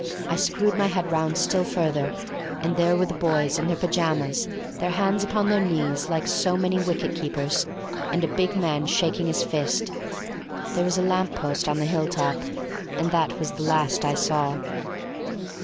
I screwed my head round still further, and there were the boys in their pyjamas, their hands upon their knees, like so many wicket keepers, and a big man shaking his fist. There was a lamp post on the hill top, and that was the last I saw.